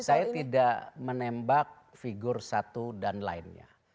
saya tidak menembak figur satu dan lainnya